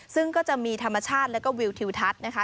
ซึ่งก็จะมีธรรมชาติแล้วก็วิวทิวทัศน์นะคะ